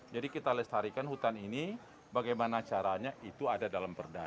jadi kita lestarikan hutan ini bagaimana caranya itu ada dalam perdana